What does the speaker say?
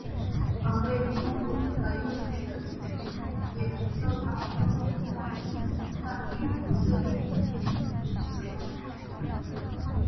而位于中国与印度的美军也不受到东南亚战区总司令指挥。